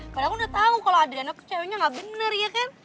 padahal aku udah tau kalo adriana tuh ceweknya gak bener ya kan